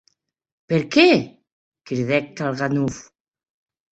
Per qué?, cridèc Kalganov.